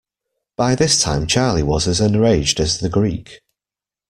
By this time Charley was as enraged as the Greek.